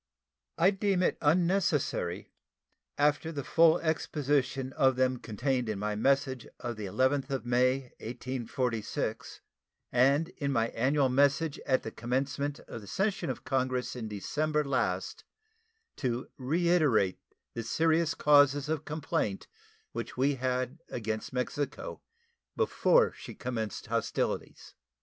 I deem it unnecessary, after the full exposition of them contained in my message of the 11th of May, 1846, and in my annual message at the commencement of the session of Congress in December last, to reiterate the serious causes of complaint which we had against Mexico before she commenced hostilities.